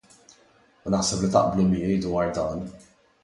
U naħseb li taqblu miegħi dwar dan.